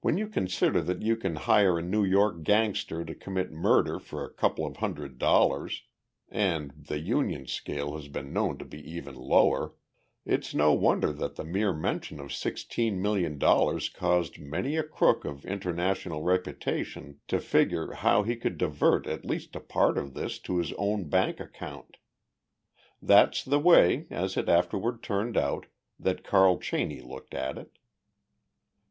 When you consider that you can hire a New York gangster to commit murder for a couple of hundred dollars and the "union scale" has been known to be even lower it's no wonder that the mere mention of sixteen million dollars caused many a crook of international reputation to figure how he could divert at least a part of this to his own bank account. That's the way, as it afterward turned out, that Carl Cheney looked at it.